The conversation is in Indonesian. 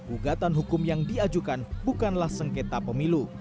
ugatan hukum yang diajukan bukanlah sengketa pemilu